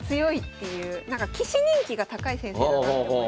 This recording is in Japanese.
棋士人気が高い先生だなって思いますね。